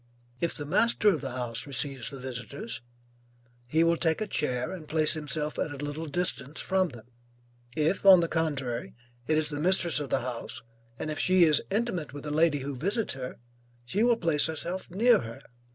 If the master of the house receives the visitors, he will take a chair and place himself at a little distance from them; if, on the contrary, it is the mistress of the house, and if she is intimate with the lady who visits her, she will place herself near her.